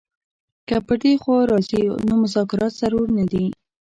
که پر دې خوا راځي نو مذاکرات ضرور نه دي.